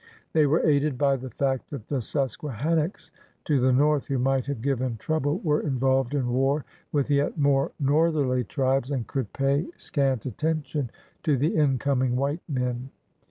They were aided by the fact that the Susquehannocks to the north, who might have given trouble, were involved in war with yet more northerly tribes, and could pay MARYLAND 129 scant attention to the incoming white men.